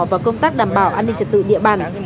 và công tác đảm bảo an ninh trật tự địa bàn